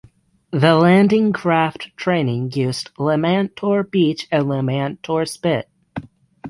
The landing craft training used Limantour Beach and Limantour Spit.